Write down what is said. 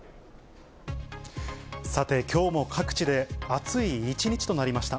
さて、きょうも各地で暑い一日となりました。